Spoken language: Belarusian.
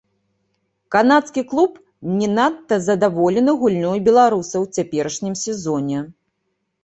Канадскі клуб не надта задаволены гульнёй беларуса ў цяперашнім сезоне.